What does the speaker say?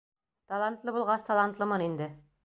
Талантлы булғас, талантлымын инде.